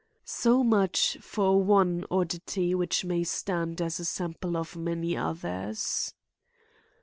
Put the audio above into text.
So much for one oddity which may stand as a sample of many others.